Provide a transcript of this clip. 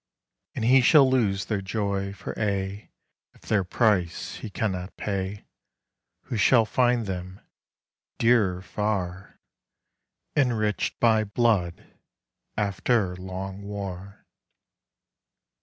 And he shall lose their joy for aye If their price he cannot pay, Who shall find them dearer far Enriched by blood after long War.